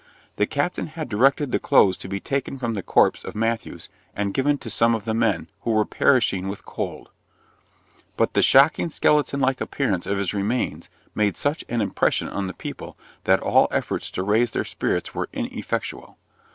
The Captain had directed the clothes to be taken from the corpse of Matthews and given to some of the men, who were perishing with, cold; but the shocking skeleton like appearance of his remains made such an impression on the people, that all efforts to raise their spirits were ineffectual.